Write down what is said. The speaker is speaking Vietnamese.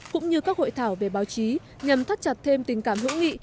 cũng như các hội thảo về báo chí nhằm thắt chặt thêm tình cảm hữu nghị